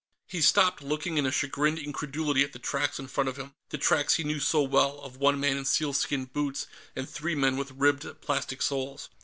He stopped, looking in chagrined incredulity at the tracks in front of him the tracks he knew so well, of one man in sealskin boots and three men with ribbed plastic soles.